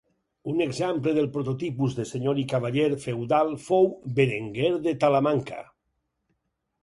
Un exemple del prototipus de senyor i cavaller feudal fou Berenguer de Talamanca.